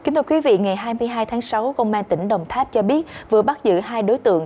ngày hai mươi hai tháng sáu công an tỉnh đồng tháp cho biết vừa bắt giữ hai đối tượng